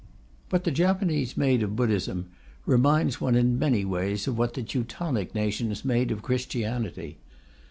What the Japanese made of Buddhism reminds one in many ways of what the Teutonic nations made of Christianity.